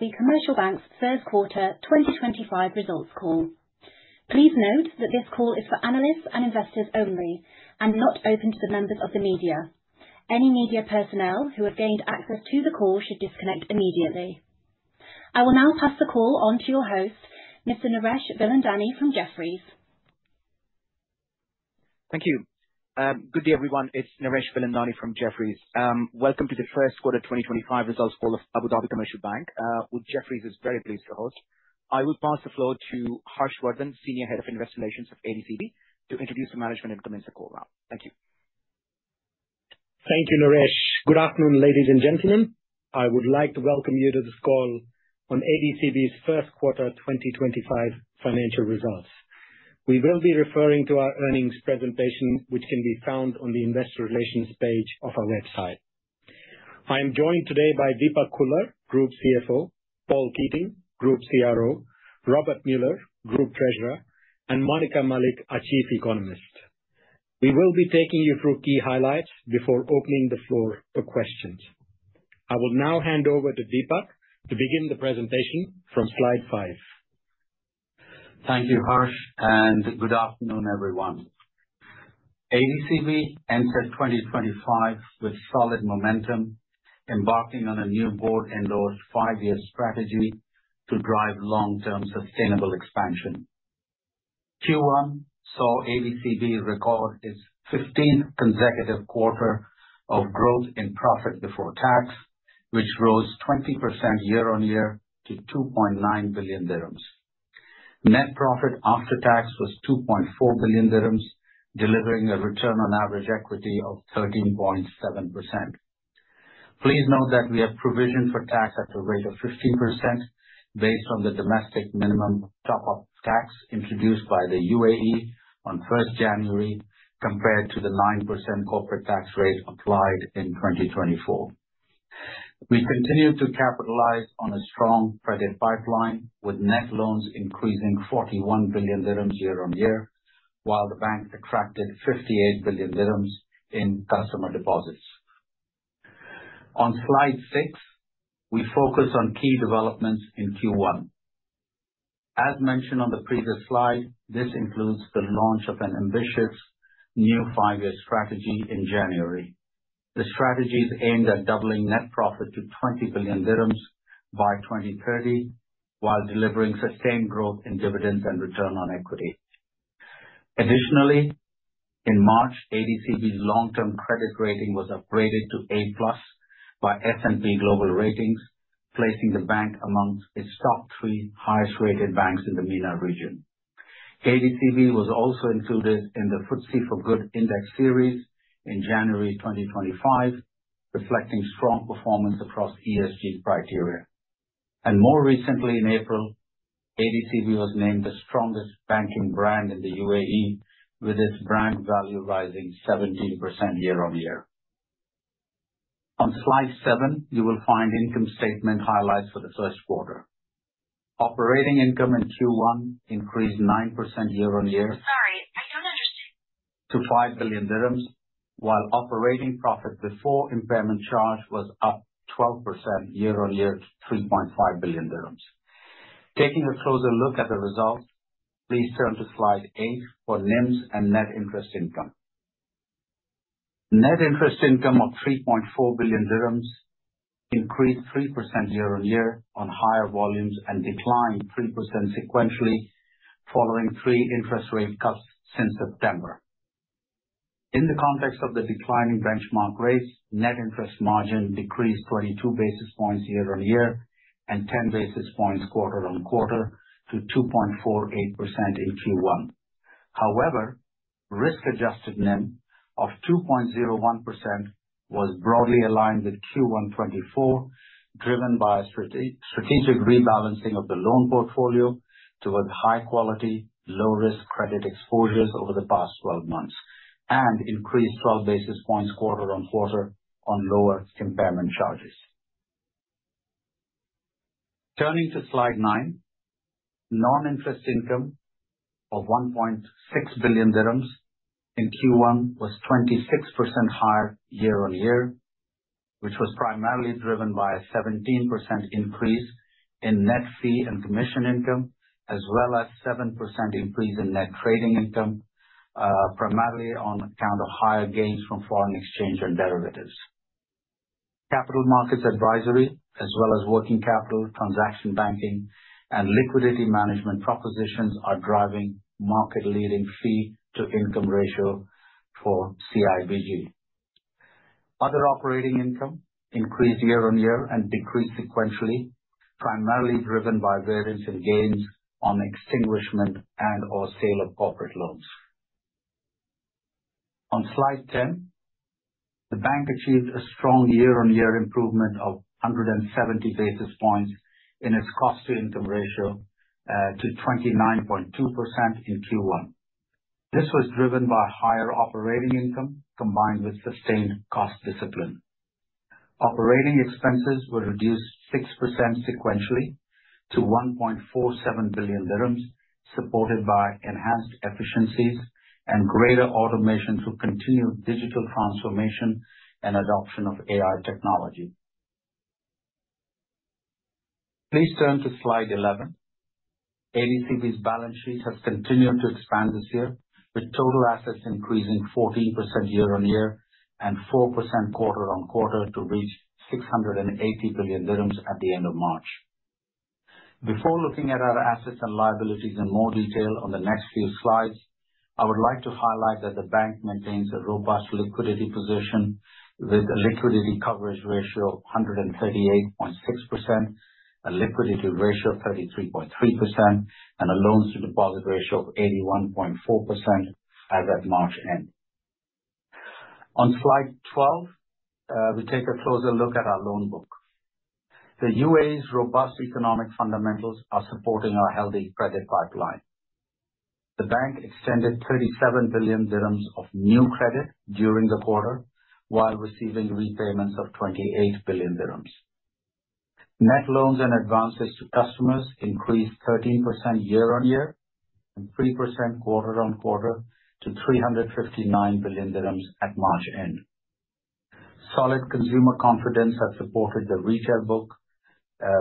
Abu Dhabi Commercial Bank's First Quarter 2025 Results Call. Please note that this call is for analysts and investors only and not open to the members of the media. Any media personnel who have gained access to the call should disconnect immediately. I will now pass the call on to your host, Mr. Naresh Bilandani from Jefferies. Thank you. Good day, everyone. It's Naresh Bilandani from Jefferies. Welcome to the first quarter 2025 results call of Abu Dhabi Commercial Bank. Jefferies is very pleased to host. I will pass the floor to Harsh Vardhan, Senior Head of Investor Relations of ADCB, to introduce the management and commence the call now. Thank you. Thank you, Naresh. Good afternoon, ladies and gentlemen. I would like to welcome you to this call on ADCB's first quarter 2025 financial results. We will be referring to our earnings presentation, which can be found on the Investor Relations page of our website. I am joined today by Deepak Khullar, Group CFO; Paul Keating, Group CRO; Robbert Muller, Group Treasurer; and Monica Malik, our Chief Economist. We will be taking you through key highlights before opening the floor for questions. I will now hand over to Deepak to begin the presentation from slide 5. Thank you, Harsh, and good afternoon, everyone. ADCB entered 2025 with solid momentum, embarking on a new board-endorsed five-year strategy to drive long-term sustainable expansion. Q1 saw ADCB record its 15th consecutive quarter of growth in profit before tax, which rose 20% year-on-year to 2.9 billion dirhams. Net profit after tax was 2.4 billion dirhams, delivering a return on average equity of 13.7%. Please note that we have provisioned for tax at a rate of 15% based on the domestic minimum top-up tax introduced by the UAE on 1 January, compared to the 9% corporate tax rate applied in 2024. We continue to capitalize on a strong credit pipeline, with net loans increasing 41 billion dirhams year-on-year, while the bank attracted 58 billion dirhams in customer deposits. On slide 6, we focus on key developments in Q1. As mentioned on the previous slide, this includes the launch of an ambitious new five-year strategy in January. The strategy is aimed at doubling net profit to 20 billion dirhams by 2030, while delivering sustained growth in dividends and return on equity. Additionally, in March, ADCB's long-term credit rating was upgraded to A+ by S&P Global Ratings, placing the bank among its top three highest-rated banks in the MENA region. ADCB was also included in the FTSE4Good Index Series in January 2025, reflecting strong performance across ESG criteria, and more recently, in April, ADCB was named the strongest banking brand in the UAE, with its brand value rising 17% year-on-year. On slide 7, you will find income statement highlights for the first quarter. Operating income in Q1 increased 9% year-on-year to 5 billion dirhams, while operating profit before impairment charge was up 12% year-on-year to 3.5 billion dirhams. Taking a closer look at the results, please turn to slide 8 for NIMs and net interest income. Net interest income of 3.4 billion dirhams increased 3% year-on-year on higher volumes and declined 3% sequentially following three interest rate cuts since September. In the context of the declining benchmark rates, net interest margin decreased 22 basis points year-on-year and 10 basis points quarter-on-quarter to 2.48% in Q1. However, risk-adjusted NIM of 2.01% was broadly aligned with Q1 2024, driven by a strategic rebalancing of the loan portfolio towards high-quality, low-risk credit exposures over the past 12 months, and increased 12 basis points quarter-on-quarter on lower impairment charges. Turning to slide 9, non-interest income of 1.6 billion dirhams in Q1 was 26% higher year-on-year, which was primarily driven by a 17% increase in net fee and commission income, as well as a 7% increase in net trading income, primarily on account of higher gains from foreign exchange and derivatives. Capital markets advisory, as well as working capital transaction banking and liquidity management propositions, are driving market-leading fee-to-income ratio for CIBG. Other operating income increased year-on-year and decreased sequentially, primarily driven by variance in gains on extinguishment and/or sale of corporate loans. On slide 10, the bank achieved a strong year-on-year improvement of 170 basis points in its cost-to-income ratio to 29.2% in Q1. This was driven by higher operating income combined with sustained cost discipline. Operating expenses were reduced 6% sequentially to 1.47 billion dirhams, supported by enhanced efficiencies and greater automation through continued digital transformation and adoption of AI technology. Please turn to slide 11. ADCB's balance sheet has continued to expand this year, with total assets increasing 14% year-on-year and 4% quarter-on-quarter to reach 680 billion dirhams at the end of March. Before looking at our assets and liabilities in more detail on the next few slides, I would like to highlight that the bank maintains a robust liquidity position with a liquidity coverage ratio of 138.6%, a liquidity ratio of 33.3%, and a loans-to-deposit ratio of 81.4% as at March end. On slide 12, we take a closer look at our loan book. The UAE's robust economic fundamentals are supporting our healthy credit pipeline. The bank extended 37 billion dirhams of new credit during the quarter, while receiving repayments of 28 billion dirhams. Net loans and advances to customers increased 13% year-on-year and 3% quarter-on-quarter to 359 billion dirhams at March end. Solid consumer confidence has supported the retail book,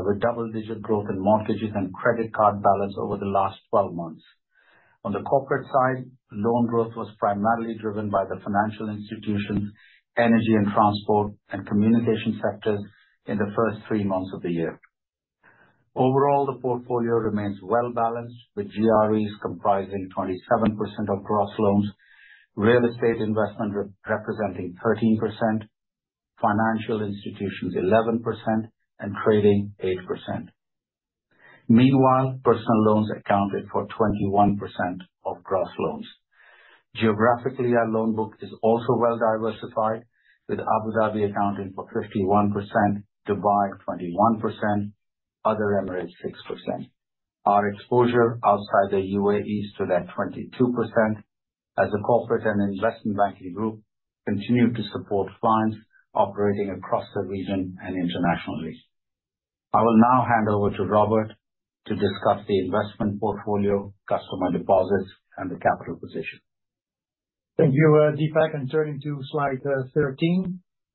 with double-digit growth in mortgages and credit card balance over the last 12 months. On the corporate side, loan growth was primarily driven by the financial institutions, energy, and transport and communication sectors in the first three months of the year. Overall, the portfolio remains well-balanced, with GREs comprising 27% of gross loans, real estate investment representing 13%, financial institutions 11%, and trading 8%. Meanwhile, personal loans accounted for 21% of gross loans. Geographically, our loan book is also well-diversified, with Abu Dhabi accounting for 51%, Dubai 21%, and other Emirates 6%. Our exposure outside the UAE stood at 22%, as the corporate and investment banking group continued to support funds operating across the region and internationally. I will now hand over to Robbert to discuss the investment portfolio, customer deposits, and the capital position. Thank you, Deepak, and turning to slide 13,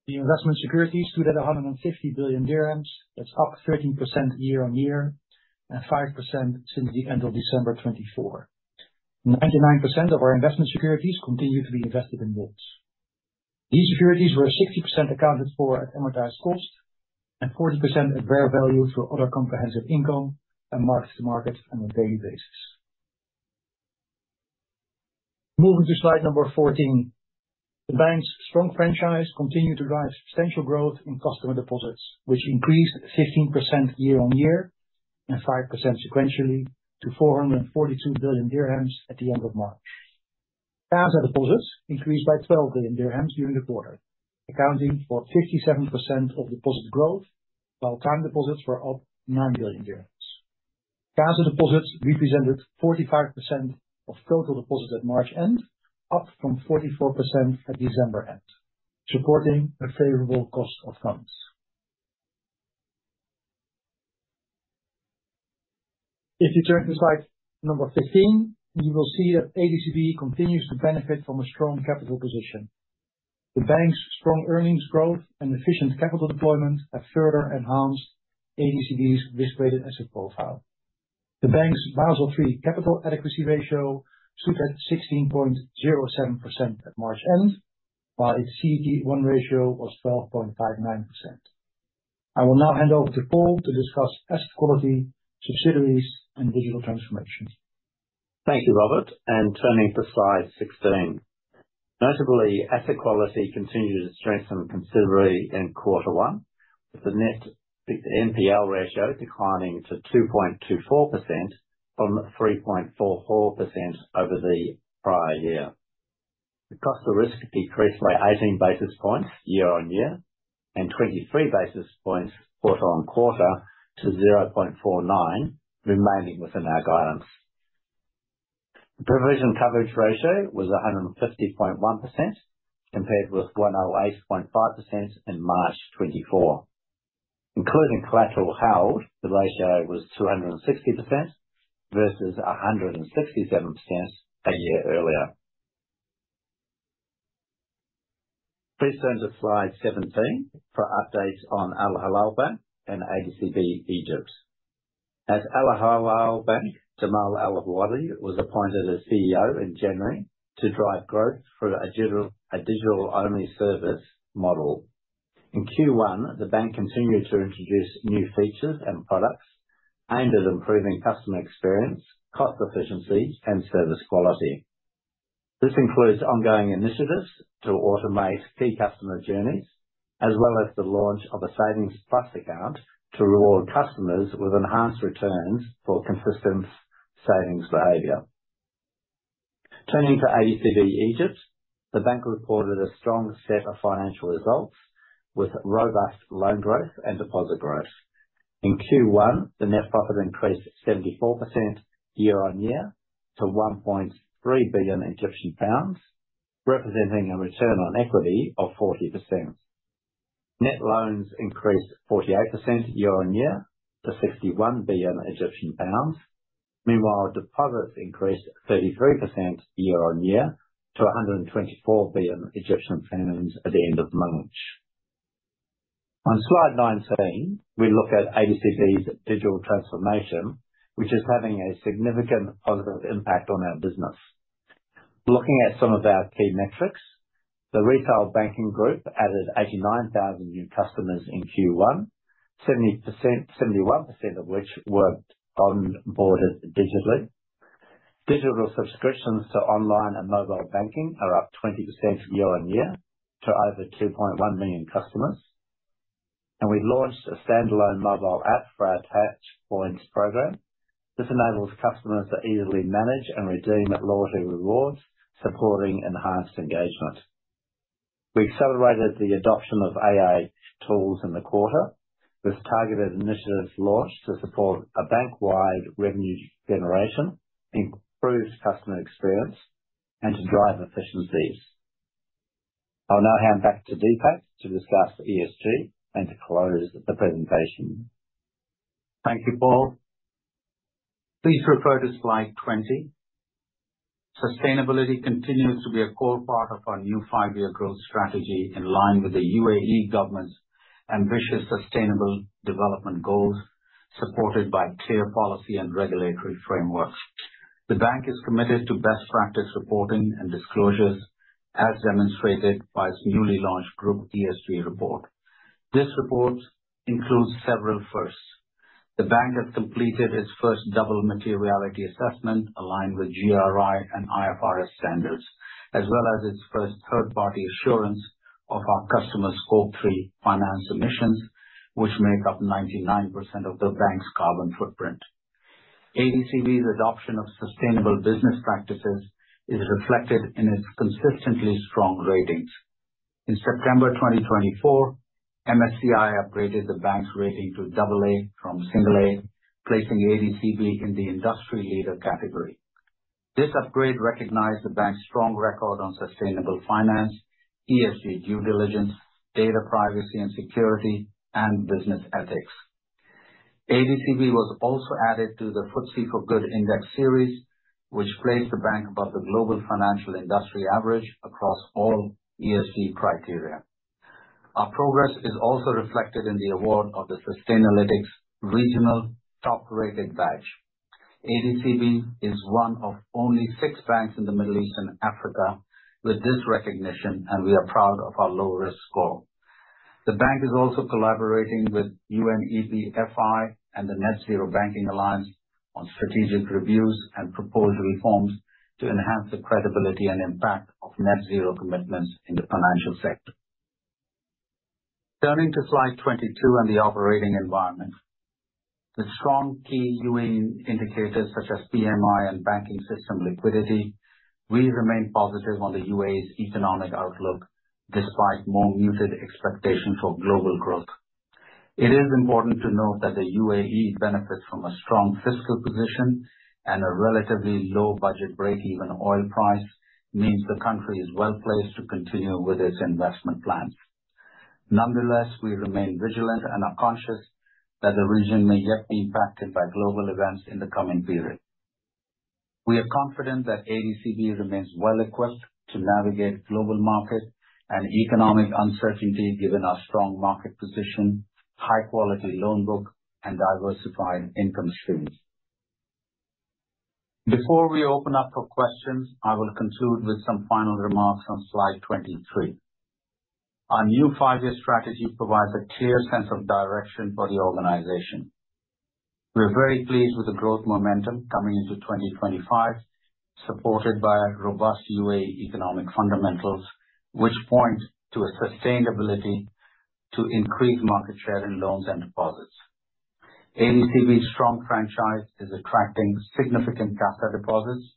the investment securities stood at 150 billion dirhams. That's up 13% year-on-year and 5% since the end of December 2024. 99% of our investment securities continue to be invested in bonds. These securities were 60% accounted for at amortized cost and 40% at fair value through other comprehensive income and marked to market on a daily basis. Moving to slide number 14, the bank's strong franchise continued to drive substantial growth in customer deposits, which increased 15% year-on-year and 5% sequentially to 442 billion dirhams at the end of March. CASA deposits increased by 12 billion dirhams during the quarter, accounting for 57% of deposit growth, while time deposits were up 9 billion dirhams. CASA deposits represented 45% of total deposits at March end, up from 44% at December end, supporting a favorable cost outcomes. If you turn to slide number 15, you will see that ADCB continues to benefit from a strong capital position. The bank's strong earnings growth and efficient capital deployment have further enhanced ADCB's risk-weighted asset profile. The bank's Basel III capital adequacy ratio stood at 16.07% at March end, while its CET1 ratio was 12.59%. I will now hand over to Paul to discuss asset quality, subsidiaries, and digital transformation. Thank you, Robbert. And turning to slide 16, notably, asset quality continued to strengthen considerably in quarter one, with the net NPL ratio declining to 2.24% from 3.44% over the prior year. The cost of risk decreased by 18 basis points year-on-year and 23 basis points quarter-on-quarter to 0.49, remaining within our guidance. The provision coverage ratio was 150.1%, compared with 108.5% in March 2024. Including collateral held, the ratio was 260% versus 167% a year earlier. Please turn to slide 17 for updates on Al Hilal Bank and ADCB Egypt. At Al Hilal Bank, Jamal Al Awadhi was appointed as CEO in January to drive growth through a digital-only service model. In Q1, the bank continued to introduce new features and products aimed at improving customer experience, cost efficiency, and service quality. This includes ongoing initiatives to automate key customer journeys, as well as the launch of a Savings Plus Account to reward customers with enhanced returns for consistent savings behavior. Turning to ADCB Egypt, the bank reported a strong set of financial results with robust loan growth and deposit growth. In Q1, the net profit increased 74% year-on-year to 1.3 billion Egyptian pounds, representing a return on equity of 40%. Net loans increased 48% year-on-year to 61 billion Egyptian pounds. Meanwhile, deposits increased 33% year-on-year to 124 billion Egyptian pounds at the end of March. On slide 19, we look at ADCB's digital transformation, which is having a significant positive impact on our business. Looking at some of our key metrics, the retail banking group added 89,000 new customers in Q1, 71% of which were onboarded digitally. Digital subscriptions to online and mobile banking are up 20% year-on-year to over 2.1 million customers. We launched a standalone mobile app for our TouchPoints program. This enables customers to easily manage and redeem loyalty rewards, supporting enhanced engagement. We accelerated the adoption of AI tools in the quarter, with targeted initiatives launched to support a bank-wide revenue generation, improved customer experience, and to drive efficiencies. I'll now hand back to Deepak to discuss ESG and to close the presentation. Thank you, Paul. Please refer to slide 20. Sustainability continues to be a core part of our new five-year growth strategy, in line with the UAE government's ambitious sustainable development goals, supported by clear policy and regulatory frameworks. The bank is committed to best practice reporting and disclosures, as demonstrated by its newly launched group ESG report. This report includes several firsts. The bank has completed its first double materiality assessment, aligned with GRI and IFRS standards, as well as its first third-party assurance of our customers' Scope 3 financed emissions which make up 99% of the bank's carbon footprint. ADCB's adoption of sustainable business practices is reflected in its consistently strong ratings. In September 2024, MSCI upgraded the bank's rating to AA from A, placing ADCB in the industry leader category. This upgrade recognized the bank's strong record on sustainable finance, ESG due diligence, data privacy and security, and business ethics. ADCB was also added to the FTSE4Good Index series, which placed the bank above the global financial industry average across all ESG criteria. Our progress is also reflected in the award of the Sustainalytics Regional Top Rated badge. ADCB is one of only six banks in the Middle East and Africa with this recognition, and we are proud of our low-risk score. The bank is also collaborating with UNEP FI and the Net Zero Banking Alliance on strategic reviews and proposed reforms to enhance the credibility and impact of net zero commitments in the financial sector. Turning to slide 22 and the operating environment, with strong key UAE indicators such as PMI and banking system liquidity, we remain positive on the UAE's economic outlook, despite more muted expectations for global growth. It is important to note that the UAE benefits from a strong fiscal position, and a relatively low budget break-even oil price means the country is well placed to continue with its investment plans. Nonetheless, we remain vigilant and are conscious that the region may yet be impacted by global events in the coming period. We are confident that ADCB remains well equipped to navigate global market and economic uncertainty, given our strong market position, high-quality loan book, and diversified income streams. Before we open up for questions, I will conclude with some final remarks on slide 23. Our new five-year strategy provides a clear sense of direction for the organization. We are very pleased with the growth momentum coming into 2025, supported by robust UAE economic fundamentals, which point to a sustained ability to increase market share in loans and deposits. ADCB's strong franchise is attracting significant CASA deposits,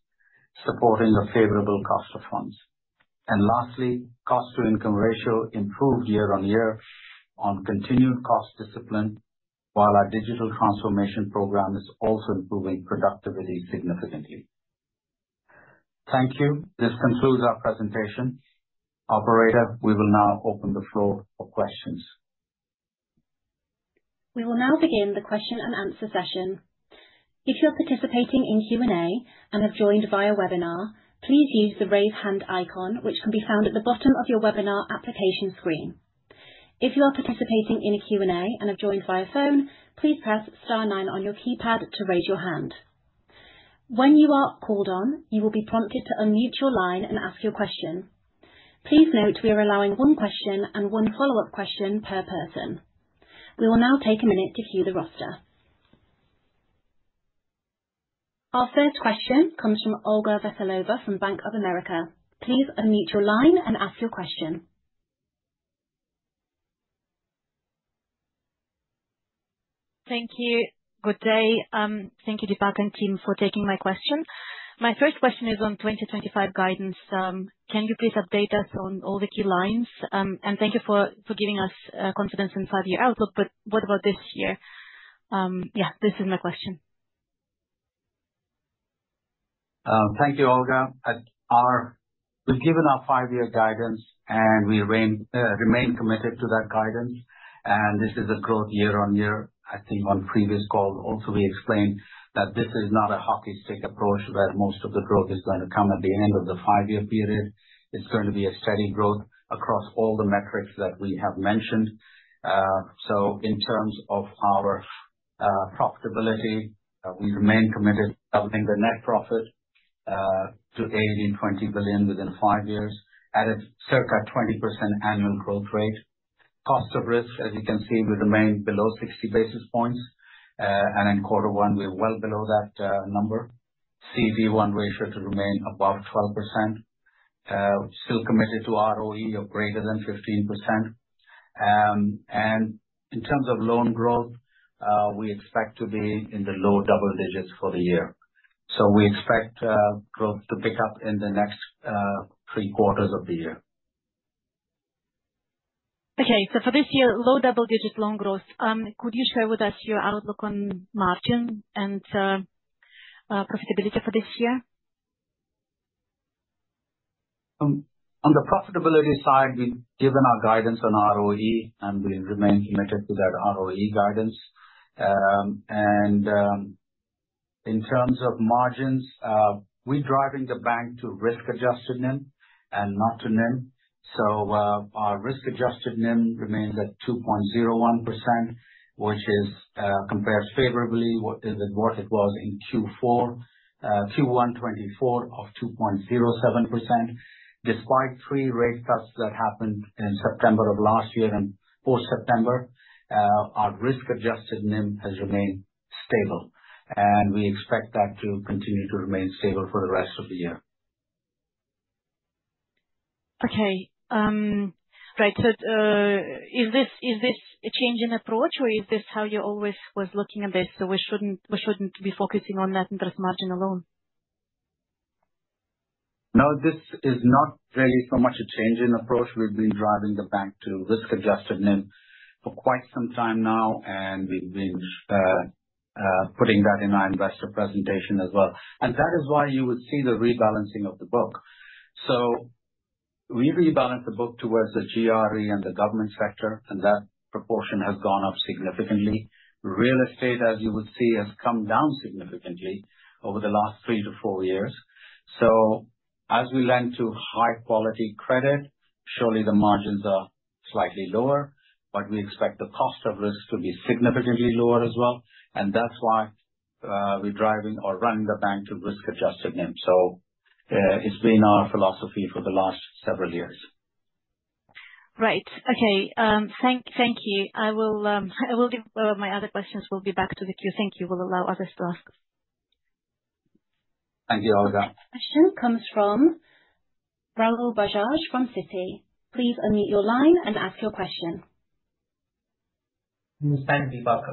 supporting a favorable cost of funds. And lastly, cost-to-income ratio improved year-over-year on continued cost discipline, while our digital transformation program is also improving productivity significantly. Thank you. This concludes our presentation. Operator, we will now open the floor for questions. We will now begin the question and answer session. If you are participating in Q&A and have joined via webinar, please use the raise hand icon, which can be found at the bottom of your webinar application screen. If you are participating in a Q&A and have joined via phone, please press star nine on your keypad to raise your hand. When you are called on, you will be prompted to unmute your line and ask your question. Please note we are allowing one question and one follow-up question per person. We will now take a minute to queue the roster. Our first question comes from Olga Veselova from Bank of America. Please unmute your line and ask your question. Thank you. Good day. Thank you, Deepak and team, for taking my question. My first question is on 2025 guidance. Can you please update us on all the key lines? And thank you for giving us confidence in five-year outlook, but what about this year? Yeah, this is my question. Thank you, Olga. We've given our five-year guidance, and we remain committed to that guidance, and this is a growth year-on-year. I think on previous calls, also, we explained that this is not a hockey stick approach where most of the growth is going to come at the end of the five-year period. It's going to be a steady growth across all the metrics that we have mentioned, so in terms of our profitability, we remain committed to doubling the net profit to 18.2 billion within five years at a circa 20% annual growth rate. Cost of risk, as you can see, we remain below 60 basis points. And in quarter one, we're well below that number. CET1 ratio to remain above 12%. Still committed to ROE of greater than 15%. And in terms of loan growth, we expect to be in the low double digits for the year. We expect growth to pick up in the next three quarters of the year. Okay. So for this year, low double digit loan growth. Could you share with us your outlook on margin and profitability for this year? On the profitability side, we've given our guidance on ROE, and we remain committed to that ROE guidance, in terms of margins, we're driving the bank to risk-adjusted NIM and not to NIM, so our risk-adjusted NIM remains at 2.01%, which compares favorably with what it was in Q1 2024 of 2.07%. Despite three rate cuts that happened in September of last year and post-September, our risk-adjusted NIM has remained stable, and we expect that to continue to remain stable for the rest of the year. Okay. Right. So is this a change in approach, or is this how you always were looking at this? So we shouldn't be focusing on that interest margin alone? No, this is not really so much a change in approach. We've been driving the bank to risk-adjusted NIM for quite some time now, and we've been putting that in our investor presentation as well. And that is why you would see the rebalancing of the book. So we rebalanced the book towards the GRE and the government sector, and that proportion has gone up significantly. Real estate, as you would see, has come down significantly over the last three to four years. So as we lend to high-quality credit, surely the margins are slightly lower, but we expect the cost of risk to be significantly lower as well. And that's why we're driving or running the bank to risk-adjusted NIM. So it's been our philosophy for the last several years. Right. Okay. Thank you. I will give my other questions. We'll be back to the Q&A. We'll allow others to ask. Thank you, Olga. Question comes from Rahul Bajaj from Citi. Please unmute your line and ask your question. Thank you, Deepak,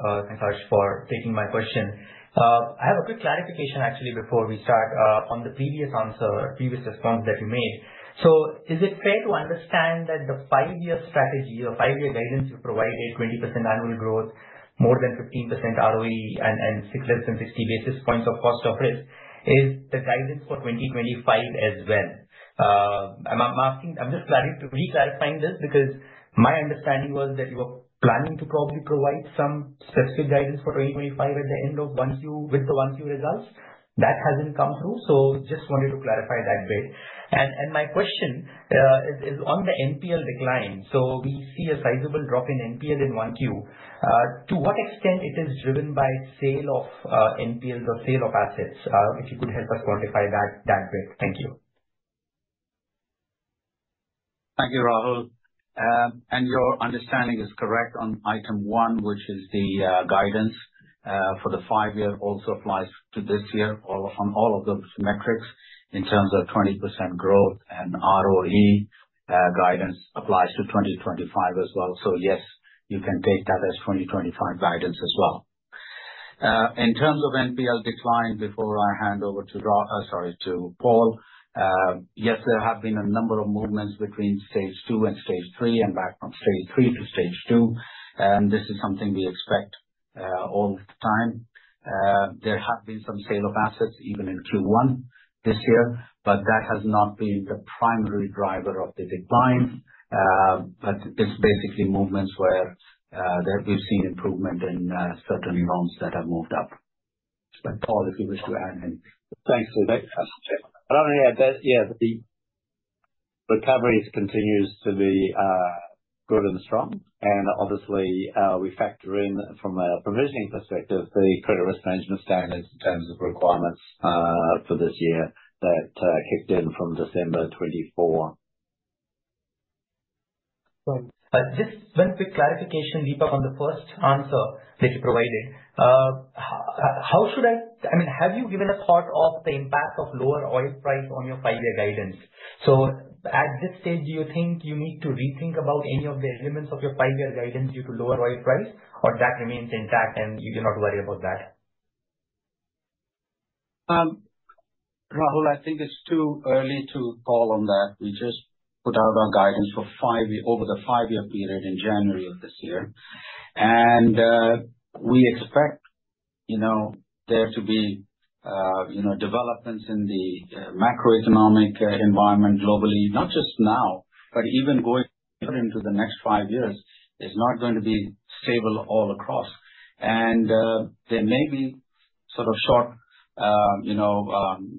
for taking my question. I have a quick clarification, actually, before we start on the previous answer, previous response that you made. So is it fair to understand that the five-year strategy or five-year guidance you provided, 20% annual growth, more than 15% ROE, and less than 60 basis points of cost of risk, is the guidance for 2025 as well? I'm just re-clarifying this because my understanding was that you were planning to probably provide some specific guidance for 2025 at the end of with the 1Q results. That hasn't come through, so just wanted to clarify that bit, and my question is on the NPL decline, so we see a sizable drop in NPL in 1Q. To what extent is it driven by sale of NPLs or sale of assets? If you could help us quantify that bit. Thank you. Thank you, Rahul. And your understanding is correct on item one, which is the guidance for the five-year also applies to this year on all of those metrics in terms of 20% growth, and ROE guidance applies to 2025 as well. So yes, you can take that as 2025 guidance as well. In terms of NPL decline, before I hand over to Paul, yes, there have been a number of movements between Stage 2 and Stage 3 and back from Stage 3 to Stage 2. And this is something we expect all the time. There have been some sale of assets even in Q1 this year, but that has not been the primary driver of the decline. But it's basically movements where we've seen improvement in certain loans that have moved up. But Paul, if you wish to add anything. Thanks, David. But I'll only add that, yeah, the recovery continues to be good and strong. And obviously, we factor in, from a provisioning perspective, the credit risk management standards in terms of requirements for this year that kicked in from December 2024. But just one quick clarification, Deepak, on the first answer that you provided. I mean, have you given a thought of the impact of lower oil price on your five-year guidance? So at this stage, do you think you need to rethink about any of the elements of your five-year guidance due to lower oil price, or that remains intact and you do not worry about that? Rahul, I think it's too early to call on that. We just put out our guidance for over the five-year period in January of this year, and we expect there to be developments in the macroeconomic environment globally, not just now, but even going into the next five years, is not going to be stable all across, and there may be sort of short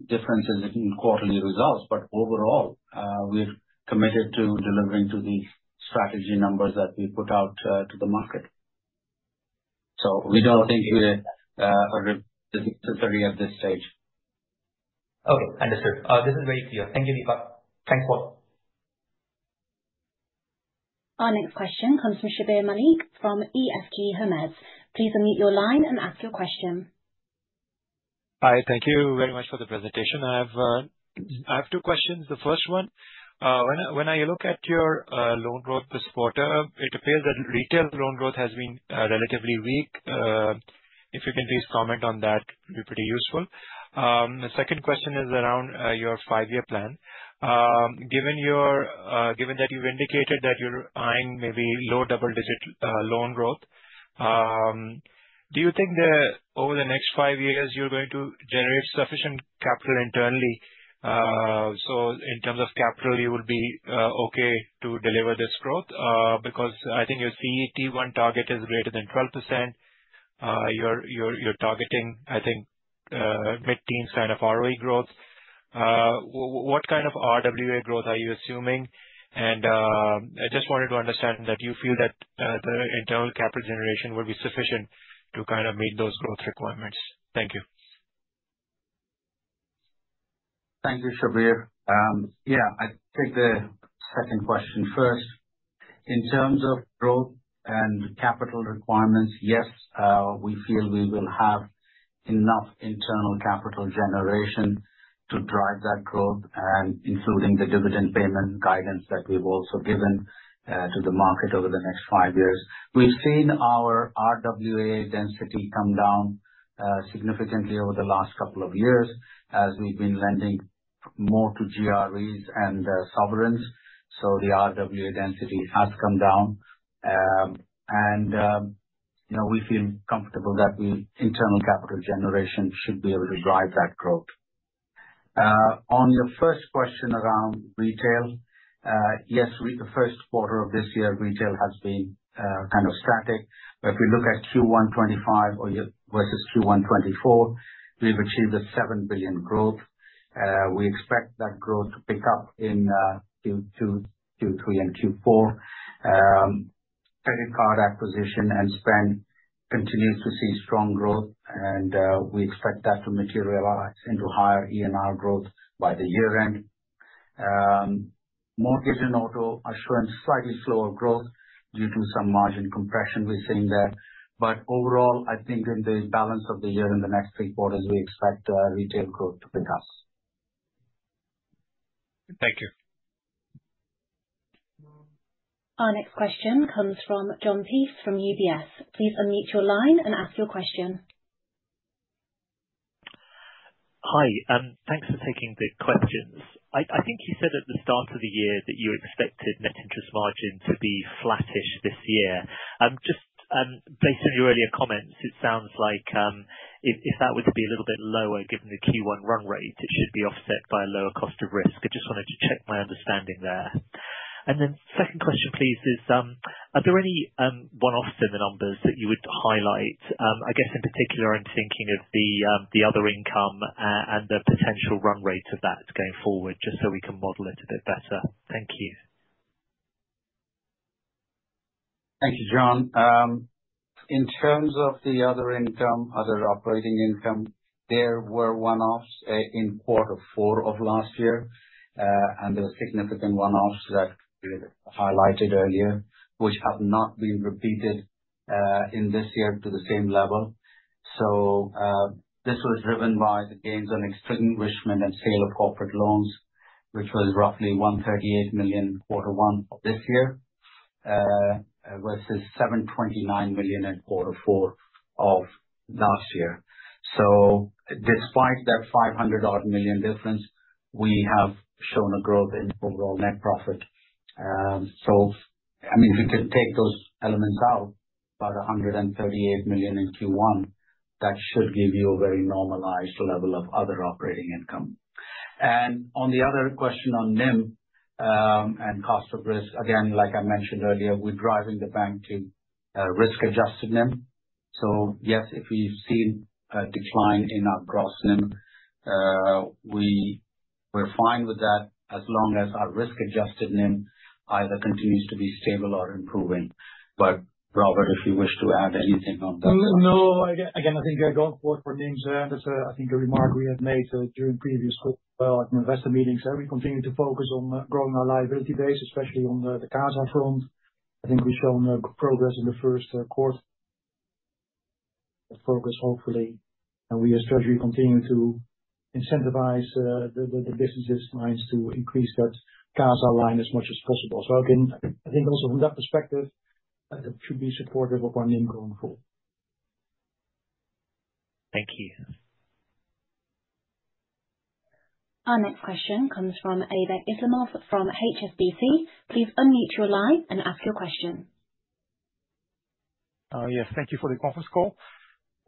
differences in quarterly results, but overall, we're committed to delivering to the strategy numbers that we put out to the market, so we don't think we're necessary at this stage. Okay. Understood. This is very clear. Thank you, Deepak. Thanks, Paul. Our next question comes from Shabbir Malik from EFG Hermes. Please unmute your line and ask your question. Hi. Thank you very much for the presentation. I have two questions. The first one, when I look at your loan growth this quarter, it appears that retail loan growth has been relatively weak. If you can please comment on that, it would be pretty useful. The second question is around your five-year plan. Given that you've indicated that you're eyeing maybe low double-digit loan growth, do you think that over the next five years, you're going to generate sufficient capital internally? So in terms of capital, you will be okay to deliver this growth? Because I think your CET1 target is greater than 12%. You're targeting, I think, mid-teens kind of ROE growth. What kind of RWA growth are you assuming? And I just wanted to understand that you feel that the internal capital generation will be sufficient to kind of meet those growth requirements. Thank you. Thank you, Shabbir. Yeah, I'll take the second question first. In terms of growth and capital requirements, yes, we feel we will have enough internal capital generation to drive that growth, including the dividend payment guidance that we've also given to the market over the next five years. We've seen our RWA density come down significantly over the last couple of years as we've been lending more to GREs and sovereigns, so the RWA density has come down, and we feel comfortable that internal capital generation should be able to drive that growth. On your first question around retail, yes, the first quarter of this year, retail has been kind of static, but if we look at Q1 2025 versus Q1 2024, we've achieved 7 billion growth. We expect that growth to pick up in Q2, Q3, and Q4. Credit card acquisition and spend continues to see strong growth, and we expect that to materialize into higher ENR growth by the year-end. Mortgage and auto assurance, slightly slower growth due to some margin compression we're seeing there. But overall, I think in the balance of the year and the next three quarters, we expect retail growth to pick up. Thank you. Our next question comes from Jon Peace from UBS. Please unmute your line and ask your question. Hi. Thanks for taking the questions. I think you said at the start of the year that you expected net interest margin to be flattish this year. Just based on your earlier comments, it sounds like if that were to be a little bit lower given the Q1 run rate, it should be offset by a lower cost of risk. I just wanted to check my understanding there. And then second question, please, is are there any one-offs in the numbers that you would highlight? I guess in particular, I'm thinking of the other income and the potential run rate of that going forward, just so we can model it a bit better. Thank you. Thank you, Jon. In terms of the other income, other operating income, there were one-offs in quarter four of last year. And there were significant one-offs that we highlighted earlier, which have not been repeated in this year to the same level. So this was driven by the gains on extinguishment and sale of corporate loans, which was roughly 138 million in quarter one of this year versus 729 million in quarter four of last year. So despite that 500 million-odd difference, we have shown a growth in overall net profit. So I mean, if you can take those elements out, about 138 million in Q1, that should give you a very normalized level of other operating income. And on the other question on NIM and cost of risk, again, like I mentioned earlier, we're driving the bank to risk-adjusted NIM. So yes, if we've seen a decline in our gross NIM, we're fine with that as long as our risk-adjusted NIM either continues to be stable or improving. But Robbert, if you wish to add anything on that. No, again, I think going forward for NIMs, that's, I think, a remark we had made during previous investor meetings. We continue to focus on growing our liability base, especially on the CASA front. I think we've shown progress in the first quarter so far, hopefully. And we, as Treasury, continue to incentivize the business lines to increase that CASA line as much as possible. So again, I think also from that perspective, that should be supportive of our NIM going forward. Thank you. Our next question comes from Aybek Islamov from HSBC. Please unmute your line and ask your question. Yes, thank you for the conference call.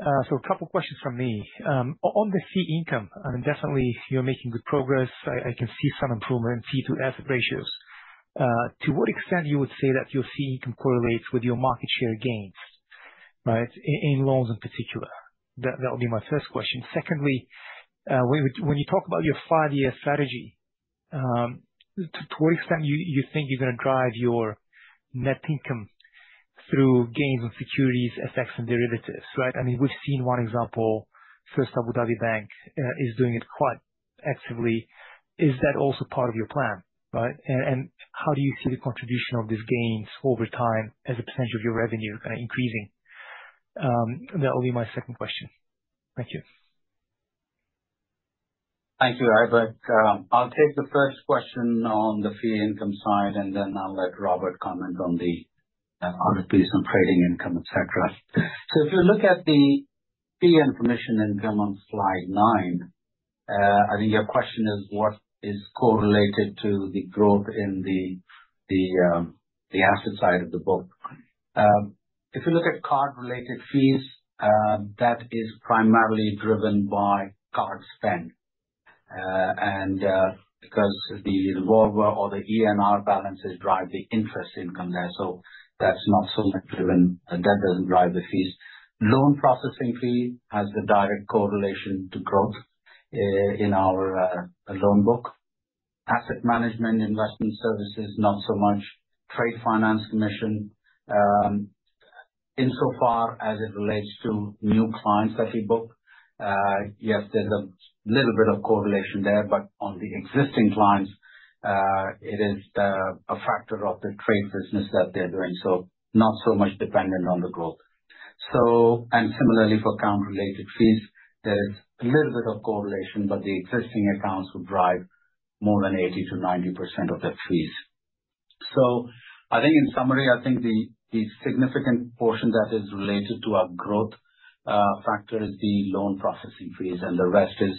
So a couple of questions from me. On the fee income, I mean, definitely you're making good progress. I can see some improvement in fee to asset ratios. To what extent do you say that your fee income correlates with your market share gains, right, in loans in particular? That would be my first question. Secondly, when you talk about your five-year strategy, to what extent do you think you're going to drive your net income through gains on securities, FX, and derivatives, right? I mean, we've seen one example, First Abu Dhabi Bank is doing it quite actively. Is that also part of your plan, right? And how do you see the contribution of these gains over time as a percentage of your revenue kind of increasing? That would be my second question. Thank you. Thank you, Aybek. I'll take the first question on the fee income side, and then I'll let Robbert comment on the other piece on trading income, etc. So if you look at the fee and commission income on slide nine, I think your question is, what is correlated to the growth in the asset side of the book? If you look at card-related fees, that is primarily driven by card spend. And because the revolver or the ENR balances drive the interest income there, so that's not so much driven. That doesn't drive the fees. Loan processing fee has a direct correlation to growth in our loan book. Asset management, investment services, not so much. Trade finance commission, insofar as it relates to new clients that we book. Yes, there's a little bit of correlation there, but on the existing clients, it is a factor of the trade business that they're doing, so not so much dependent on the growth, and similarly, for account-related fees, there is a little bit of correlation, but the existing accounts would drive more than 80%-90% of the fees, so I think in summary, I think the significant portion that is related to our growth factor is the loan processing fees, and the rest is,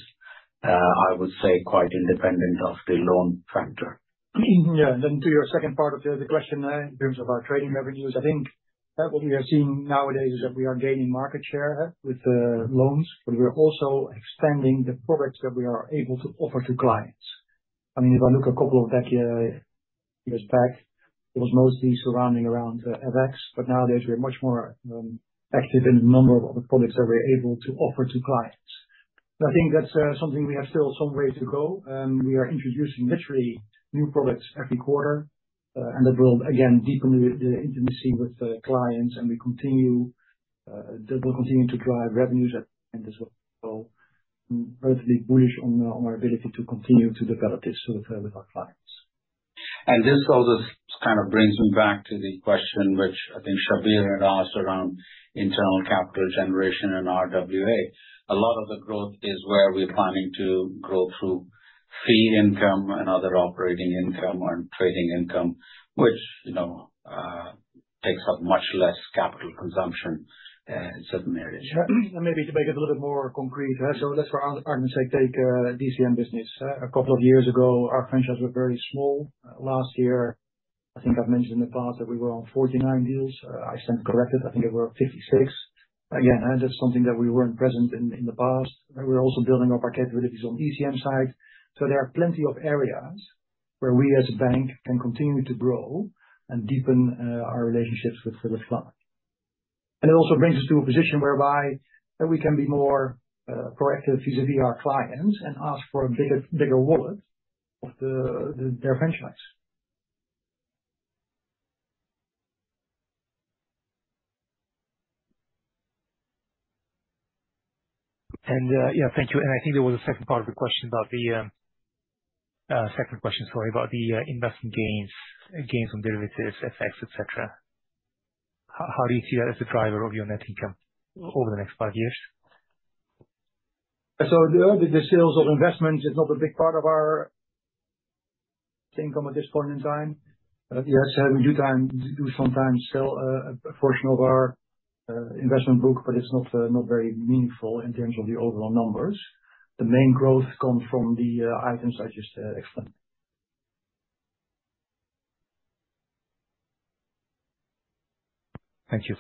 I would say, quite independent of the loan factor. Yeah. And then to your second part of the question in terms of our trading revenues, I think that what we are seeing nowadays is that we are gaining market share with loans, but we're also expanding the products that we are able to offer to clients. I mean, if I look a couple of decades back, it was mostly surrounding around FX, but nowadays, we're much more active in the number of products that we're able to offer to clients. I think that's something we have still some way to go. We are introducing literally new products every quarter, and that will, again, deepen the intimacy with clients, and we continue that will continue to drive revenues as well. So relatively bullish on our ability to continue to develop this with our clients. This sort of kind of brings me back to the question which I think Shabbir had asked around internal capital generation and RWA. A lot of the growth is where we're planning to grow through fee income and other operating income and trading income, which takes up much less capital consumption in certain areas. Yeah. And maybe to make it a little bit more concrete, so let's, for our own partners, say, take DCM business. A couple of years ago, our franchise was very small. Last year, I think I've mentioned in the past that we were on 49 deals. I stand corrected. I think there were 56. Again, that's something that we weren't present in the past. We're also building up our capabilities on the ECM side. So there are plenty of areas where we as a bank can continue to grow and deepen our relationships with clients. And it also brings us to a position whereby we can be more proactive vis-à-vis our clients and ask for a bigger wallet of their franchise. Yeah, thank you. I think there was a second part of the question about the -- second question, sorry, about the investment gains, gains on derivatives, effects, etc. How do you see that as a driver of your net income over the next five years? So the sales of investments is not a big part of our income at this point in time. Yes, we do sometimes sell a portion of our investment book, but it's not very meaningful in terms of the overall numbers. The main growth comes from the items I just explained. Thank you.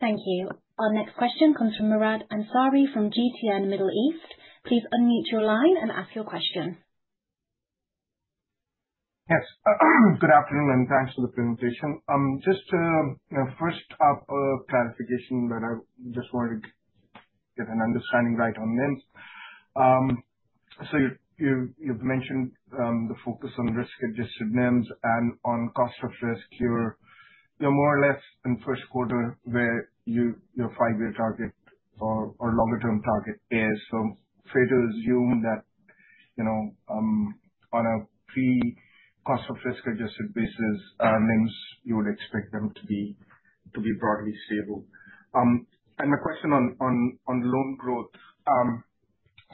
Thank you. Our next question comes from Murad Ansari from GTN Middle East. Please unmute your line and ask your question. Yes. Good afternoon, and thanks for the presentation. Just to first up, clarification that I just wanted to get an understanding right on NIMs. So you've mentioned the focus on risk-adjusted NIMs and on cost of risk. You're more or less in first quarter where your five-year target or longer-term target is. So fair to assume that on a pre-cost of risk-adjusted basis, NIMs, you would expect them to be broadly stable. And my question on loan growth,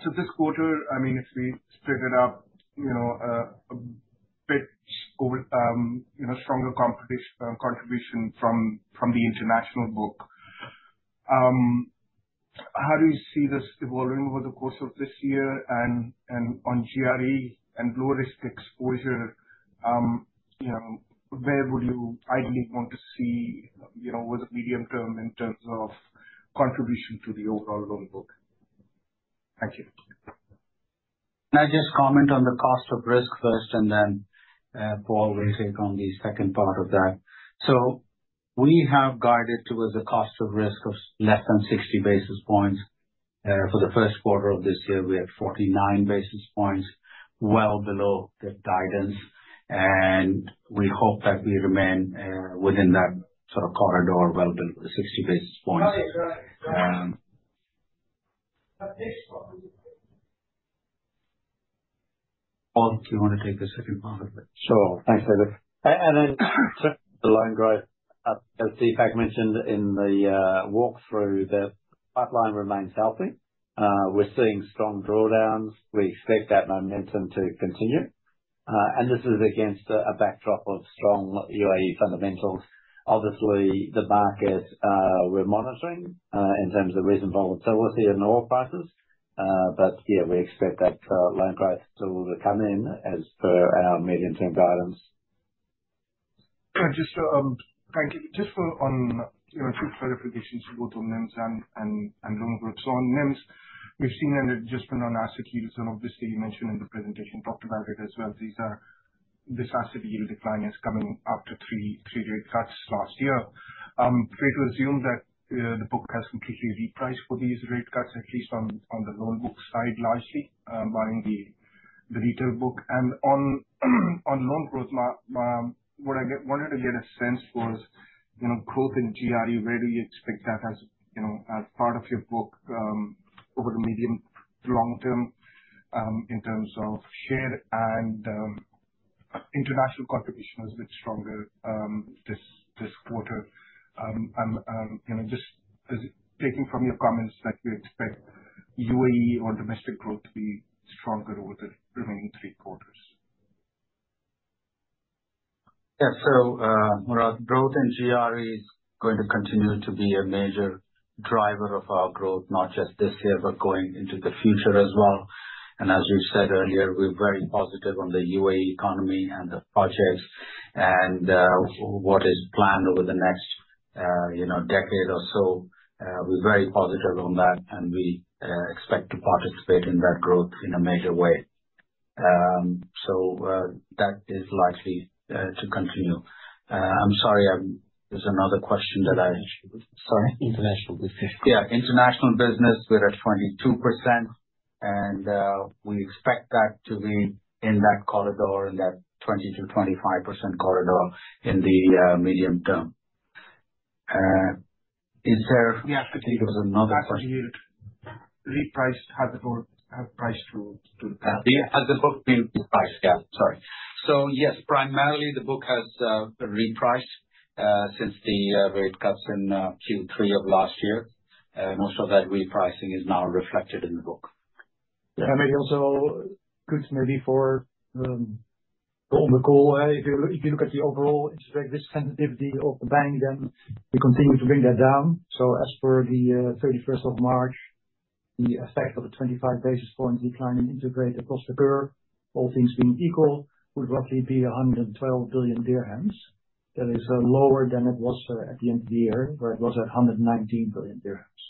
so this quarter, I mean, if we split it up a bit over stronger contribution from the international book, how do you see this evolving over the course of this year? And on GRE and low-risk exposure, where would you ideally want to see over the medium term in terms of contribution to the overall loan book? Thank you. Can I just comment on the cost of risk first, and then Paul will take on the second part of that? So we have guided towards a cost of risk of less than 60 basis points. For the first quarter of this year, we had 49 basis points, well below the guidance. And we hope that we remain within that sort of corridor, well below the 60 basis points. Paul, do you want to take the second part of it? Sure. Thanks, Murad. And then the line drive, as Deepak mentioned in the walkthrough, the pipeline remains healthy. We're seeing strong drawdowns. We expect that momentum to continue. And this is against a backdrop of strong UAE fundamentals. Obviously, the market we're monitoring in terms of recent volatility in oil prices. But yeah, we expect that loan growth to come in as per our medium-term guidance. Just to thank you. Just for a few clarifications about NIMs and loan growth. So on NIMs, we've seen an adjustment on asset yields. And obviously, you mentioned in the presentation, talked about it as well. This asset yield decline is coming after three rate cuts last year. Fair to assume that the book has completely repriced for these rate cuts, at least on the loan book side largely, beyond the retail book. And on loan growth, what I wanted to get a sense was growth in GRE, where do you expect that as part of your book over the medium to long term in terms of share and international contribution is a bit stronger this quarter? Just taking from your comments that we expect UAE or domestic growth to be stronger over the remaining three quarters. Yeah. So Murad, growth in GRE is going to continue to be a major driver of our growth, not just this year, but going into the future as well. And as you've said earlier, we're very positive on the UAE economy and the projects and what is planned over the next decade or so. We're very positive on that, and we expect to participate in that growth in a major way. So that is likely to continue. I'm sorry, there's another question that I - sorry. International business. Yeah. International business, we're at 22%, and we expect that to be in that corridor, in that 20%-25% corridor in the medium term. Is there—I think there was another question. Repriced? Has the book had priced to the book? Has the book been repriced? Yeah. Sorry. So yes, primarily, the book has repriced since the rate cuts in Q3 of last year. Most of that repricing is now reflected in the book. Yeah. Maybe also goods maybe for [Garbled] go way. If you look at the overall interest rate risk sensitivity of the bank, then we continue to bring that down. So as per the 31st of March, the effect of a 25 basis point decline in interest rate across the curve, all things being equal, would roughly be 112 billion dirhams. That is lower than it was at the end of the year, where it was at 119 billion dirhams.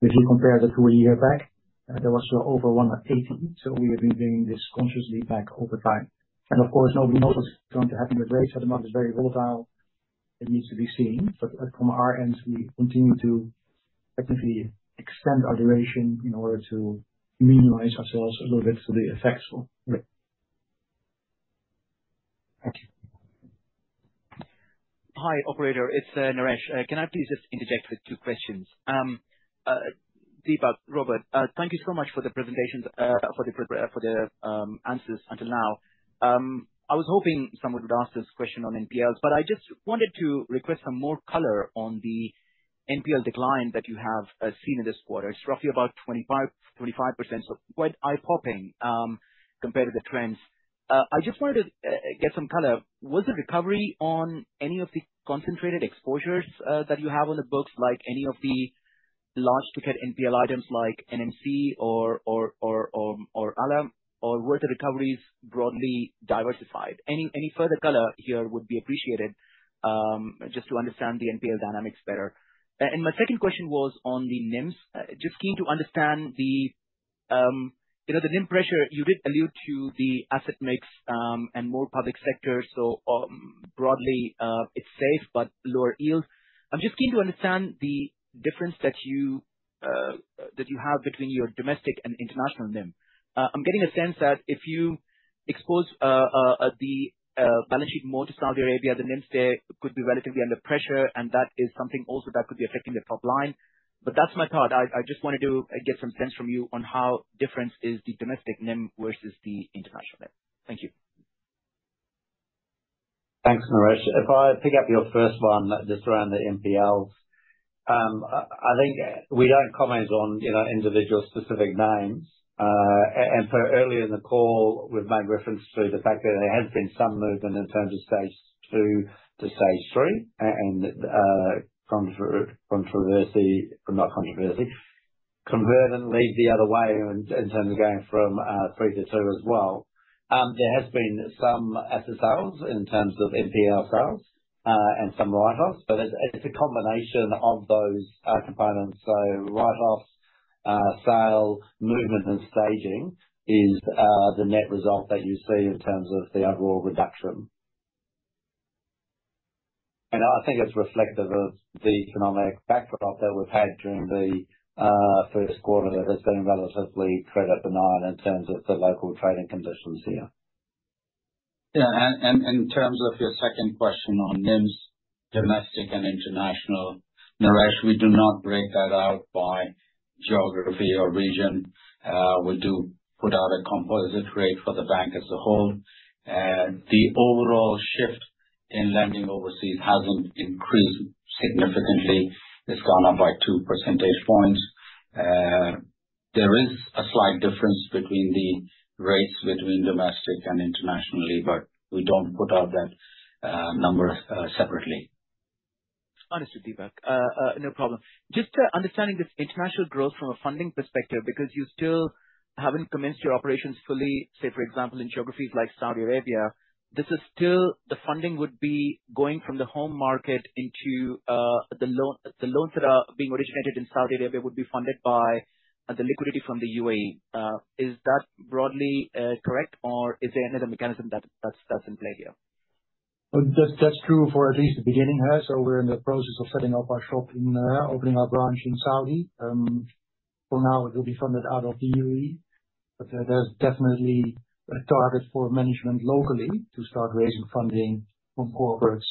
If you compare the two a year back, that was over 180 billion. So we have been bringing this consciously back over time. And of course, nobody knows what's going to happen with rates. The market is very volatile. It needs to be seen. But from our end, we continue to technically extend our duration in order to minimize ourselves a little bit to the effects of rate. Thank you. Hi, operator. It's Naresh. Can I please just interject with two questions? Deepak, Robbert, thank you so much for the presentations, for the answers until now. I was hoping someone would ask this question on NPLs, but I just wanted to request some more color on the NPL decline that you have seen in this quarter. It's roughly about 25%, so quite eye-popping compared to the trends. I just wanted to get some color. Was the recovery on any of the concentrated exposures that you have on the books, like any of the large-ticket NPL items like NMC or Alam, or were the recoveries broadly diversified? Any further color here would be appreciated just to understand the NPL dynamics better. And my second question was on the NIMs. Just keen to understand the NIM pressure. You did allude to the asset mix and more public sector. So broadly, it's safe, but lower yield. I'm just keen to understand the difference that you have between your domestic and international NIM. I'm getting a sense that if you expose the balance sheet more to Saudi Arabia, the NIMs there could be relatively under pressure, and that is something also that could be affecting the top line. But that's my thought. I just wanted to get some sense from you on how different is the domestic NIM versus the international NIM. Thank you. Thanks, Naresh. If I pick up your first one just around the NPLs, I think we don't comment on individual specific names. Earlier in the call, we've made reference to the fact that there has been some movement in terms of Stage 2 to Stage 3 and conversely the other way in terms of going from Stage 3 to Stage 2 as well. There has been some asset sales in terms of NPL sales and some write-offs, but it's a combination of those components. So write-offs, sale, movement, and staging is the net result that you see in terms of the overall reduction. I think it's reflective of the economic backdrop that we've had during the first quarter that has been relatively credit benign in terms of the local trading conditions here. And in terms of your second question on NIMs, domestic and international, Naresh, we do not break that out by geography or region. We do put out a composite rate for the bank as a whole. The overall shift in lending overseas hasn't increased significantly. It's gone up by 2 percentage points. There is a slight difference between the rates between domestic and internationally, but we don't put out that number separately. Understood, Deepak. No problem. Just understanding this international growth from a funding perspective, because you still haven't commenced your operations fully, say, for example, in geographies like Saudi Arabia. This is still the funding would be going from the home market into the loans that are being originated in Saudi Arabia would be funded by the liquidity from the UAE. Is that broadly correct, or is there another mechanism that's in play here? That's true for at least the beginning. So we're in the process of setting up our shop and opening our branch in Saudi. For now, it will be funded out of the UAE, but there's definitely a target for management locally to start raising funding from corporates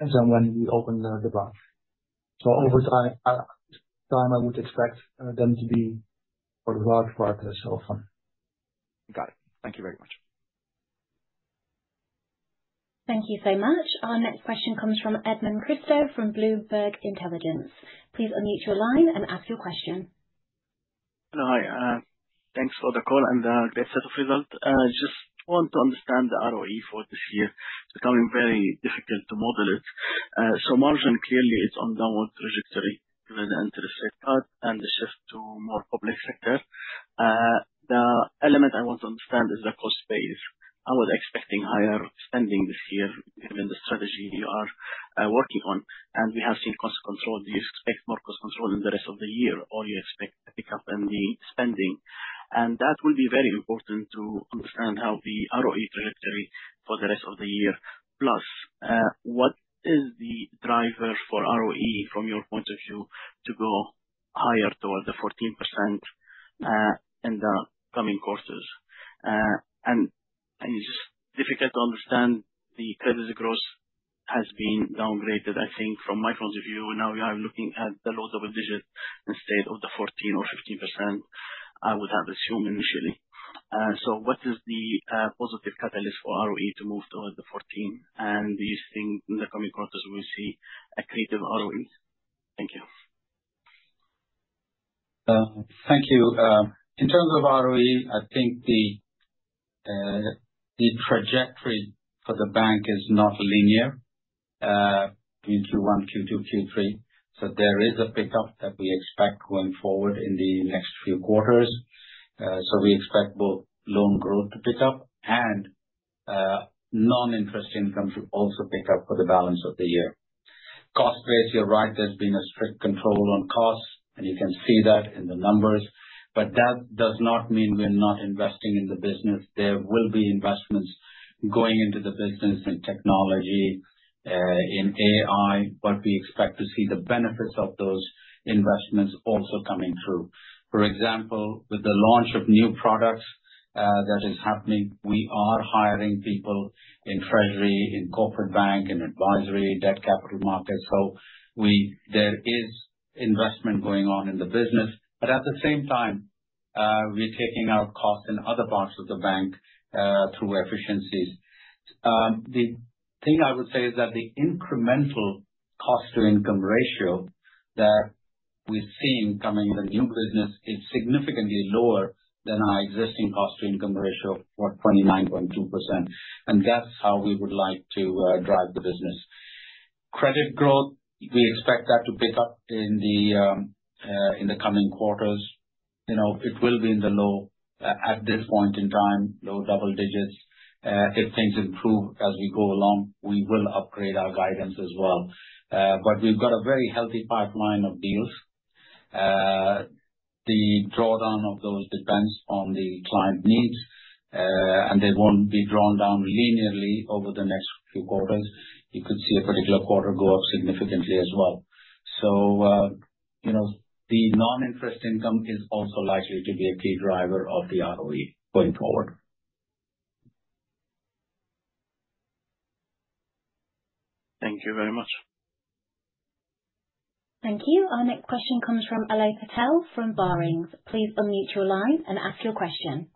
and then when we open the branch. So over time, I would expect them to be for the large part self-fund. Got it. Thank you very much. Thank you so much. Our next question comes from Edmond Christou from Bloomberg Intelligence. Please unmute your line and ask your question. Hi. Thanks for the call and the set of results. Just want to understand the ROE for this year. It's becoming very difficult to model it. So margin clearly is on downward trajectory given the interest rate cut and the shift to more public sector. The element I want to understand is the cost base. I was expecting higher spending this year given the strategy you are working on. And we have seen cost control. Do you expect more cost control in the rest of the year, or do you expect a pickup in the spending? And that will be very important to understand how the ROE trajectory for the rest of the year. Plus, what is the driver for ROE from your point of view to go higher toward the 14% in the coming quarters? And it's just difficult to understand. The credit growth has been downgraded, I think, from my point of view. Now we are looking at the low double digit instead of the 14% or 15% I would have assumed initially. What is the positive catalyst for ROE to move toward the 14%? Do you think in the coming quarters we will see a credible ROE? Thank you. Thank you. In terms of ROE, I think the trajectory for the bank is not linear between Q1, Q2, Q3. So there is a pickup that we expect going forward in the next few quarters. So we expect both loan growth to pick up and non-interest income to also pick up for the balance of the year. Cost base, you're right. There's been a strict control on costs, and you can see that in the numbers. But that does not mean we're not investing in the business. There will be investments going into the business in technology, in AI, but we expect to see the benefits of those investments also coming through. For example, with the launch of new products that is happening, we are hiring people in treasury, in corporate bank, in advisory, debt capital markets. So there is investment going on in the business. But at the same time, we're taking out costs in other parts of the bank through efficiencies. The thing I would say is that the incremental cost-to-income ratio that we've seen coming in the new business is significantly lower than our existing cost-to-income ratio of 29.2%. And that's how we would like to drive the business. Credit growth, we expect that to pick up in the coming quarters. It will be in the low at this point in time, low double digits. If things improve as we go along, we will upgrade our guidance as well. But we've got a very healthy pipeline of deals. The drawdown of those depends on the client needs, and they won't be drawn down linearly over the next few quarters. You could see a particular quarter go up significantly as well. So the non-interest income is also likely to be a key driver of the ROE going forward. Thank you very much. Thank you. Our next question comes from Alay Patel from Barings. Please unmute your line and ask your question.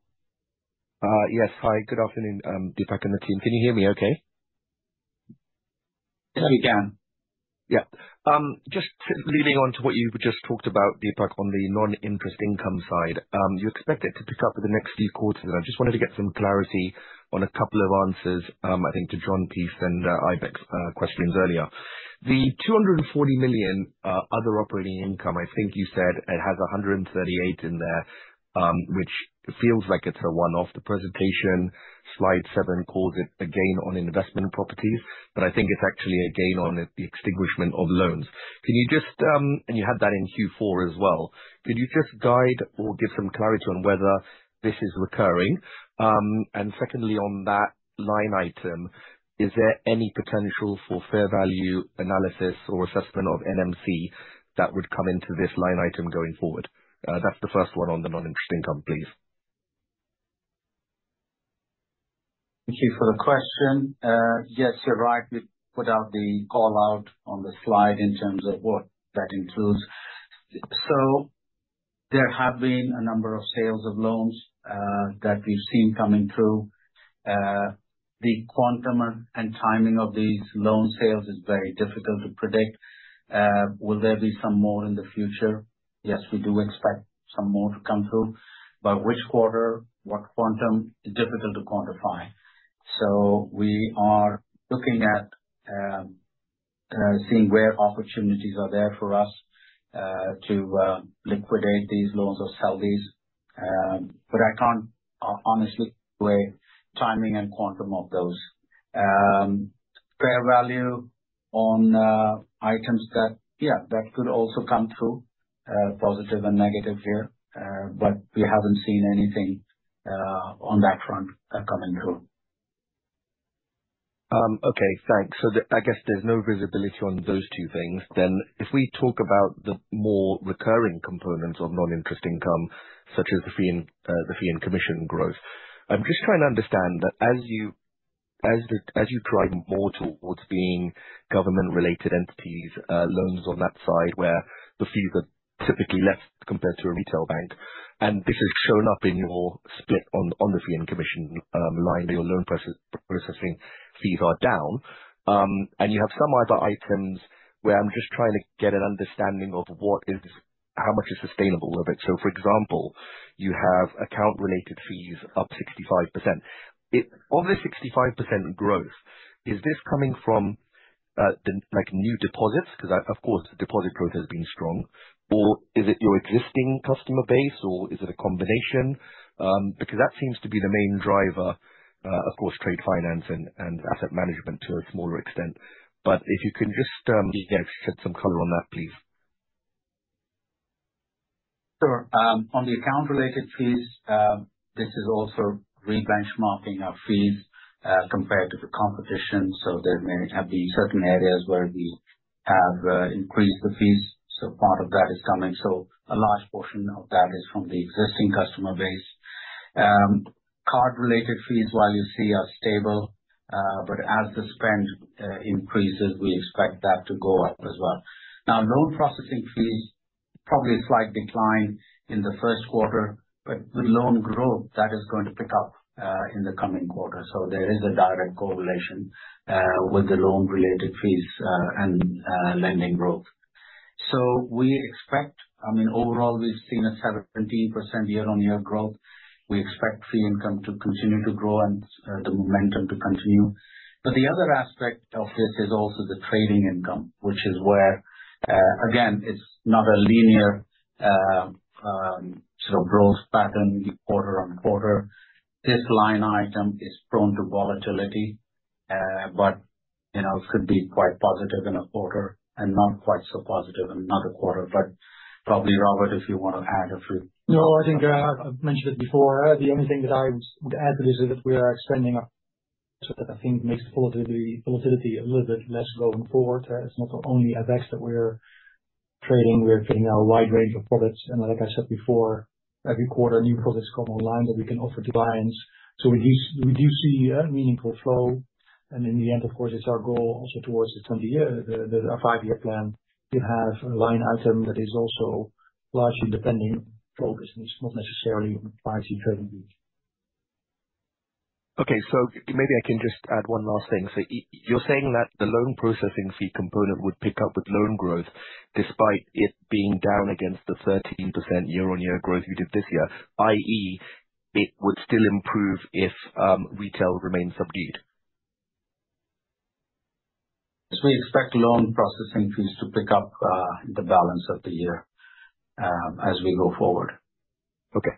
Yes. Hi. Good afternoon, Deepak and the team. Can you hear me okay? Yeah, we can. Yeah. Just leading on to what you just talked about, Deepak, on the non-interest income side, you expect it to pick up in the next few quarters. I just wanted to get some clarity on a couple of answers, I think, to Jon Peace and Aybek questions earlier. The 240 million other operating income, I think you said it has 138 million in there, which feels like it's a one-off. The presentation slide 7 calls it a gain on investment properties, but I think it's actually a gain on the extinguishment of loans. Can you just, and you had that in Q4 as well, could you just guide or give some clarity on whether this is recurring? And secondly, on that line item, is there any potential for fair value analysis or assessment of NMC that would come into this line item going forward? That's the first one on the non-interest income, please. Thank you for the question. Yes, you're right. We put out the call out on the slide in terms of what that includes. So there have been a number of sales of loans that we've seen coming through. The quantum and timing of these loan sales is very difficult to predict. Will there be some more in the future? Yes, we do expect some more to come through. But which quarter, what quantum, is difficult to quantify. So we are looking at seeing where opportunities are there for us to liquidate these loans or sell these. But I can't honestly. The way timing and quantum of those. Fair value on items that, yeah, that could also come through, positive and negative here. But we haven't seen anything on that front coming through. Okay. Thanks. So I guess there's no visibility on those two things. Then if we talk about the more recurring components of non-interest income, such as the fee and commission growth, I'm just trying to understand that as you drive more towards being government-related entities, loans on that side where the fees are typically less compared to a retail bank, and this has shown up in your split on the fee and commission line where your loan processing fees are down, and you have some other items where I'm just trying to get an understanding of how much is sustainable of it. So, for example, you have account-related fees up 65%. Of this 65% growth, is this coming from new deposits? Because, of course, deposit growth has been strong. Or is it your existing customer base, or is it a combination? Because that seems to be the main driver, of course, trade finance and asset management to a smaller extent. But if you can just, yeah, shed some color on that, please. Sure. On the account-related fees, this is also re-benchmarking our fees compared to the competition. So there may have been certain areas where we have increased the fees. So part of that is coming. So a large portion of that is from the existing customer base. Card-related fees, while you see, are stable. But as the spend increases, we expect that to go up as well. Now, loan processing fees, probably a slight decline in the first quarter. But with loan growth, that is going to pick up in the coming quarter. So there is a direct correlation with the loan-related fees and lending growth. So we expect, I mean, overall, we've seen a 17% year-on-year growth. We expect fee income to continue to grow and the momentum to continue. But the other aspect of this is also the trading income, which is where, again, it's not a linear sort of growth pattern quarter on quarter. This line item is prone to volatility, but it could be quite positive in a quarter and not quite so positive in another quarter. But probably, Robbert, if you want to add a few. No, I think I've mentioned it before. The only thing that I would add to this is that we are expanding up. So that, I think, makes the volatility a little bit less going forward. It's not only FX that we're trading. We're getting a wide range of products. And like I said before, every quarter, new products come online that we can offer to clients. So we do see meaningful flow. And in the end, of course, it's our goal also towards the five-year plan to have a line item that is also largely depending on focus and it's not necessarily on pricey trading fees. Okay. So maybe I can just add one last thing. So you're saying that the loan processing fee component would pick up with loan growth despite it being down against the 13% year-on-year growth we did this year, i.e., it would still improve if retail remains subdued? Yes, we expect loan processing fees to pick up the balance of the year as we go forward. Okay.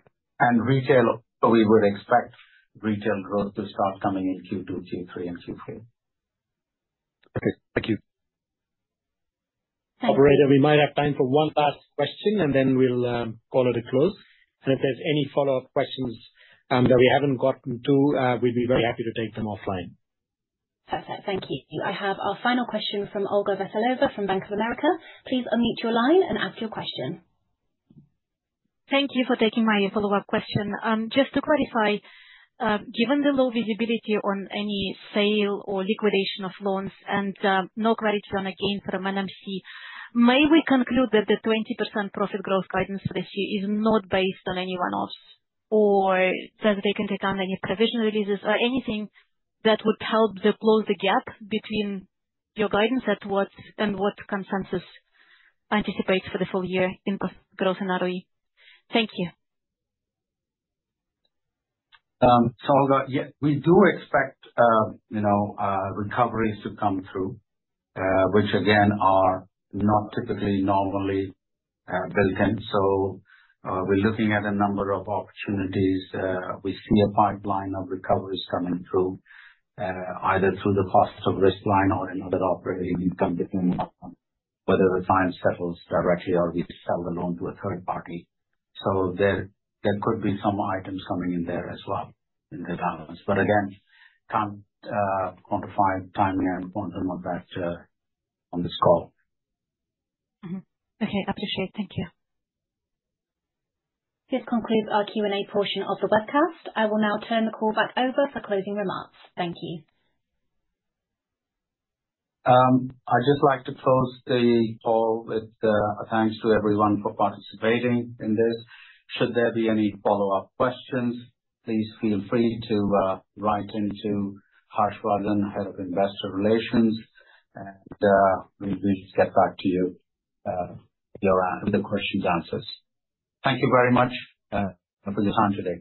Retail, we would expect retail growth to start coming in Q2, Q3, and Q4. Okay. Thank you. Thank you. All right. We might have time for one last question, and then we'll call it a close. And if there's any follow-up questions that we haven't gotten to, we'd be very happy to take them offline. Perfect. Thank you. I have our final question from Olga Veselova from Bank of America. Please unmute your line and ask your question. Thank you for taking my follow-up question. Just to clarify, given the low visibility on any sale or liquidation of loans and no clarity on a gain from NMC, may we conclude that the 20% profit growth guidance for this year is not based on any one-offs? Or does it take into account any provision releases or anything that would help close the gap between your guidance and what consensus anticipates for the full year in growth and ROE? Thank you. So, Olga, yeah, we do expect recoveries to come through, which, again, are not typically built in. We're looking at a number of opportunities. We see a pipeline of recoveries coming through, either through the cost of risk line or another operating income depending on whether the client settles directly or we sell the loan to a third party. So there could be some items coming in there as well in the balance. But again, can't quantify timing and quantum on this call. Okay. Understood. Thank you. This concludes our Q&A portion of the webcast. I will now turn the call back over for closing remarks. Thank you. I'd just like to close the call with thanks to everyone for participating in this. Should there be any follow-up questions, please feel free to write into Harsh Vardhan, Head of Investor Relations, and we will get back to you with the questions' answers. Thank you very much for your time today.